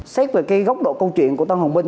xét về cái góc độ câu chuyện của tân hoàng minh